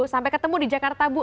sampai ketemu di jakarta bu